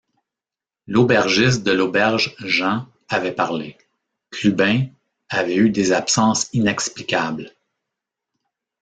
L’aubergiste de l’auberge Jean avait parlé ; Clubin avait eu des absences inexplicables.